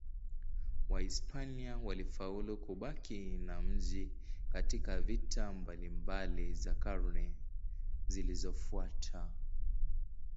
Wahispania walifaulu kubaki na mji katika vita mbalimbali za karne zilizofuata.